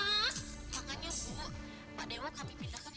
itu kan soalnya lihat